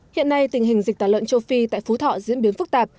hiện nay tình hình dịch tả lợn châu phi tại phú thọ diễn biến phức tạp